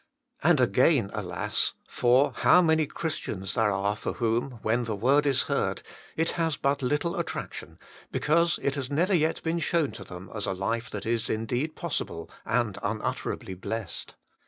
And again, alas ! for how many Christians there are for whom, when the word is heard, it has but little attraction, because it has never yet been shown to them as a life that is indeed possible, and unutter ably blessed.